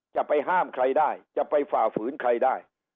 จะไปห้ามใครได้จะไปฝ่าฝืนใครได้